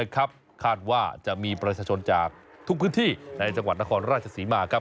คาดว่าจะมีประชาชนจากทุกพื้นที่ในจังหวัดนครราชศรีมา